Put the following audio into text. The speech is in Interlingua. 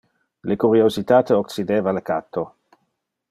Le curiositate occideva le catto.